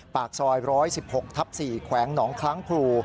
ปากซอย๑๑๖ทับ๔แขวงหนองคล้างพลู